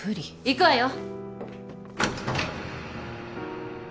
行くわよ。